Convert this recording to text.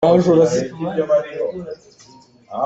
Kan thlam ah curcuk an tam ngai.